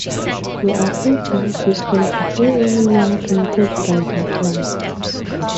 You are free to use this content in any manner permitted by that license.